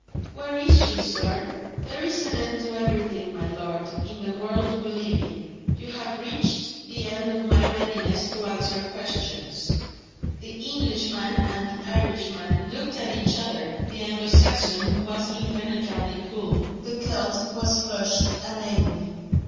"Where is she, sir?" "There is an end to everything, my lord, in the world we live in. You have reached the end of my readiness to answer questions." The Englishman and the Irishman looked at each other: the Anglo Saxon was impenetrably cool; the Celt was flushed and angry.